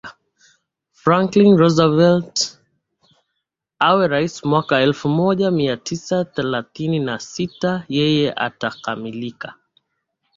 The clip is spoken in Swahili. Franklin Roosevelt awe rais mwaka elfu moja mia tisa thelathini na sita yeye utakamilika